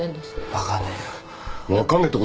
分かんねえよ。